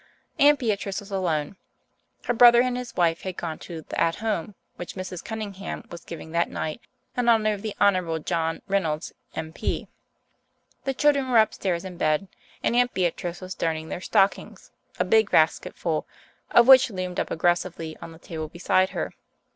Aunt Beatrice was alone. Her brother and his wife had gone to the "at home" which Mrs. Cunningham was giving that night in honour of the Honourable John Reynolds, M.P. The children were upstairs in bed, and Aunt Beatrice was darning their stockings, a big basketful of which loomed up aggressively on the table beside her.